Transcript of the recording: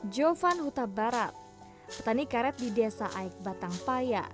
jovan hutabarat petani karet di desa aik batang paya